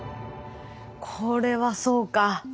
これはそうか。